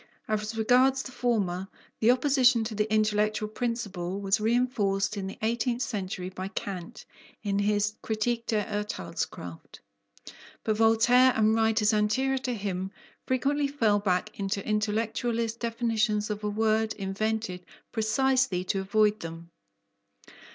As regards the former, the opposition to the intellectual principle was reinforced in the eighteenth century by Kant in his Kritik der Urtheilskraft. But Voltaire and writers anterior to him frequently fell back into intellectualist definitions of a word invented precisely to avoid them.